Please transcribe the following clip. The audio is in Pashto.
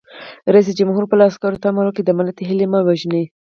رئیس جمهور خپلو عسکرو ته امر وکړ؛ د ملت هیلې مه وژنئ!